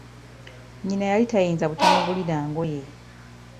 Nyina yali tayinza butamugulira ngoye .